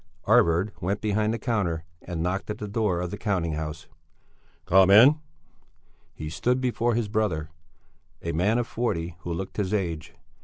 Arvid went behind the counter and knocked at the door of the counting house. "Come in!" He stood before his brother, a man of forty who looked his age.